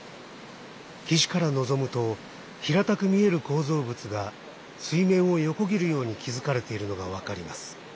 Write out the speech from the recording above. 岸から望むと平たく見える構造物が水面を横切るように築かれているのが分かります。